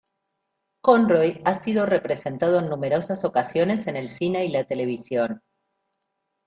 Conroy ha sido representado en numerosas ocasiones en el cine y la televisión.